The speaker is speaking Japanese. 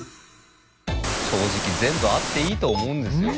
正直全部あっていいと思うんですよ。